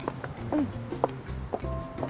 うん。